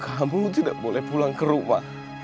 kampung tidak boleh pulang ke rumah